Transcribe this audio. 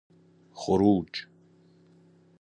خروج